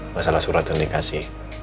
masalah surat yang dikasih